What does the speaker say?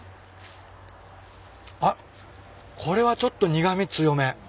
あっこれはちょっと苦味強め。